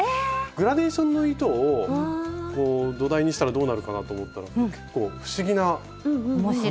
グラデーションの糸を土台にしたらどうなるかなと思ったら結構不思議な感じになったんです。